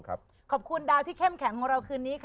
ขอบคุณดาวที่เข้มแข็งของเราคืนนี้ค่ะ